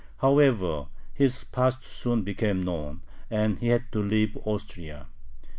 However, his past soon became known, and he had to leave Austria.